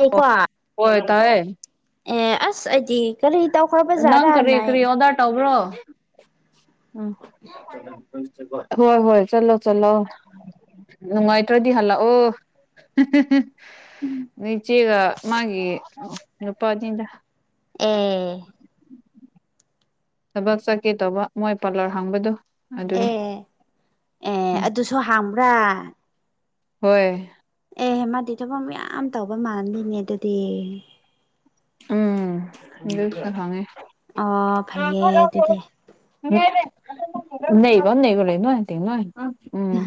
ꯑꯩꯀꯣ ꯑꯣ ꯍ ꯇꯥꯏ ꯑꯦ ꯑꯁ ꯑꯩꯗꯤ ꯀꯔꯤ ꯇꯧꯈ꯭ꯔꯕ ꯅꯪ ꯖꯥꯠꯔꯥꯅ ꯀꯔꯤ ꯑꯩ ꯀꯔꯤ ꯑꯣꯗꯔ ꯇꯧꯕ꯭ꯔꯣ ꯎꯝ ꯍꯣꯏ ꯍꯣꯏ ꯆꯠꯂꯣ ꯆꯂꯣ ꯅꯨꯡꯉꯥꯏꯇ꯭ꯔꯗꯤ ꯍꯜꯂꯛꯑꯣ ꯅꯤꯡꯆꯦꯒ ꯃꯥꯒꯤ ꯅꯨꯄꯥꯗꯗ ꯎꯝ ꯊꯕꯛ ꯆꯠꯀꯦ ꯇꯧꯕ ꯃꯣꯏ ꯄꯥꯔꯂꯔ ꯍꯥꯡꯕꯗꯨꯣ ꯑꯦ ꯑꯦ ꯎꯝ ꯑꯗꯨꯁꯨ ꯍꯥꯡꯕ꯭ꯔꯥ ꯍꯣꯏ ꯑꯦꯍꯦ ꯃꯥꯗꯤ ꯊꯕꯛ ꯌꯥꯝ ꯇꯧꯕ ꯃꯥꯂꯝꯗꯣꯏꯅꯦ ꯑꯗꯨꯗꯤ ꯏꯗꯁꯨ ꯈꯥꯉꯦ ꯑꯣ ꯐꯩꯌꯦ ꯅꯕ ꯑꯗꯨꯗꯤ ꯅꯕ ꯂꯩꯅ ꯍꯥꯏ ꯅ ꯎꯝ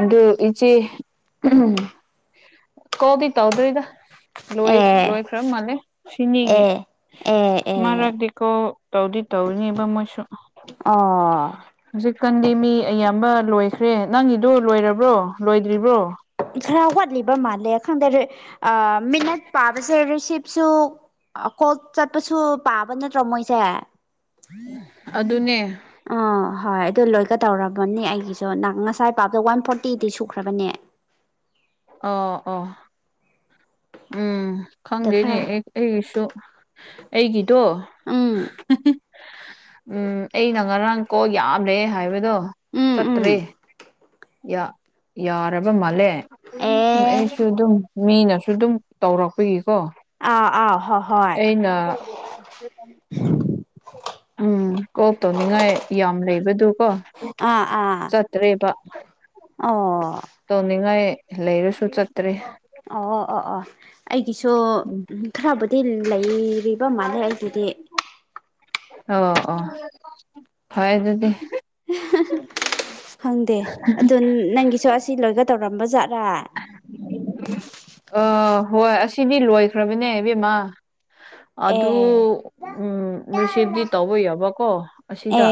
ꯑꯗꯨ ꯏꯆꯦ ꯀꯣꯗꯤ ꯇꯧꯗ꯭ꯣꯏꯗꯣꯏ ꯑꯦ ꯂꯣꯏꯈ꯭ꯔ ꯃꯥꯜꯂꯦ ꯁꯤꯅꯤꯒꯤ ꯑꯦ ꯑꯦ ꯑꯦ ꯃꯔꯛꯇꯛꯇꯤꯀꯣ ꯇꯧꯗꯤ ꯇꯧꯅꯦꯕ ꯃꯣꯏꯁꯨ ꯑꯣ ꯍꯧꯖꯤꯛꯀꯥꯟꯗꯤ ꯃꯤ ꯑꯌꯥꯝꯕ ꯂꯣꯏꯈ꯭ꯔꯦ ꯅꯪꯒꯤꯗꯨ ꯂꯣꯏꯔꯕ꯭ꯔꯣ ꯂꯣꯏꯗ꯭ꯔꯤꯕ꯭ꯔꯣ ꯈꯔ ꯋꯥꯠꯂꯤꯕ ꯃꯥꯜꯂꯦ ꯈꯪꯗꯦ ꯃꯤꯅꯠ ꯄꯥꯕꯁꯦ ꯔꯤꯁꯤꯞꯁꯨ ꯀꯣꯛ ꯆꯠꯄꯁꯨ ꯄꯥꯕ ꯅꯠꯇ꯭ꯔꯣ ꯃꯣꯏꯁꯦ ꯑꯗꯨꯅꯦ ꯑꯥ ꯍꯣꯏ ꯑꯗꯨ ꯂꯣꯏꯒ ꯇꯧꯔꯕꯅꯤ ꯑꯩꯒꯤꯁꯨ ꯅꯍ ꯉꯁꯥꯏ ꯄꯥꯛꯇ ꯋꯥꯟ ꯐꯣꯔꯇꯤꯗꯤ ꯁꯨꯈ꯭ꯔꯕꯅꯦ ꯑꯣ ꯑꯣ ꯎꯝ ꯗ ꯈꯪꯗꯦꯅꯦ ꯈꯔ ꯑꯩꯁꯨ ꯑꯩꯒꯤꯗꯣ ꯎꯝ ꯎꯝ ꯑꯩꯅ ꯉꯔꯥꯡ ꯀꯣ ꯌꯥ꯭ꯔꯦ ꯍꯥꯏꯕꯗꯣ ꯎꯝ ꯎꯝ ꯆꯠꯇ꯭ꯔꯦ ꯌꯥꯔꯕ ꯃꯥꯜꯂꯦ ꯑꯦ ꯑꯩꯁꯨ ꯑꯗꯨꯝ ꯃꯤꯅꯁꯨ ꯁꯨ ꯑꯗꯨꯝ ꯇꯧꯔꯛꯄꯒꯤꯀꯣ ꯑ ꯑ ꯍ ꯍꯣꯏ ꯑꯩꯅ ꯎꯝ ꯀꯣꯛꯜ ꯇꯧꯅꯤꯡꯉꯥꯏ ꯌꯥꯝ ꯂꯩꯕꯗꯨ ꯀꯣ ꯑꯥ ꯑꯥ ꯆꯠꯇ꯭ꯔꯦꯕ ꯑꯣ ꯇꯧꯅꯤꯡꯉꯥꯏ ꯂꯩꯔꯁꯨ ꯆꯠꯇ꯭ꯔꯔꯤ ꯑꯣ ꯑꯣ ꯑꯣ ꯑꯣ ꯑꯩꯒꯤꯁꯨ ꯎꯝ ꯈꯔꯕꯨꯗꯤ ꯂꯩꯔꯤꯕ ꯏꯕꯞ ꯃꯥꯜꯂꯦ ꯑꯩꯒꯤꯗꯤ ꯑꯣ ꯑꯣ ꯐ ꯑꯗꯨꯗꯤ ꯈꯪꯗꯦ ꯑꯗꯨ ꯅꯪꯒꯤꯁꯨ ꯑꯁꯤ ꯂꯣꯏꯒ ꯇꯧꯔꯝꯕꯖꯥꯠ꯭ꯔꯥ ꯑ ꯍꯣꯏ ꯑꯁꯤꯅꯤ ꯂꯣꯏꯈ꯭ꯔꯕꯅꯦ ꯏꯕꯦꯝꯃꯥ ꯑꯗꯨ ꯑꯦ ꯎꯝ ꯔꯤꯁꯤꯞꯇꯤ ꯇꯧꯕ ꯌꯥꯕꯀꯣ ꯑꯁꯤꯗ ꯑꯦ